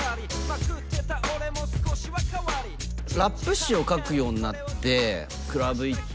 ＲＡＰ詞を書くようになってクラブ行って。